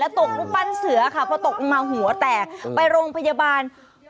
ตกรูปปั้นเสือค่ะพอตกลงมาหัวแตกไปโรงพยาบาล